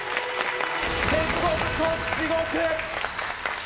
天国と地獄！